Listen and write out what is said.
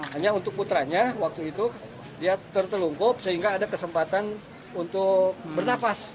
hanya untuk putranya waktu itu dia tertelungkup sehingga ada kesempatan untuk bernafas